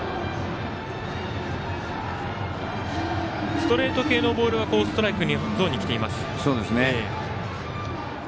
ストレート系のボールはストライクゾーンにきています。